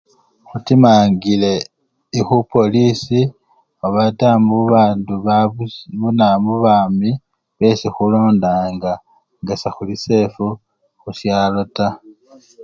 Khutimangile ii khupolisii obata mubandu babusye muba mubamii besi khulondanga nga sekhuli safe khusyalo taa